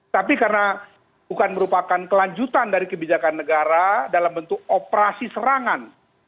tapi karena bukan merupakan kelanjutan dari kebijakan negara dalam bentuk operasi serangan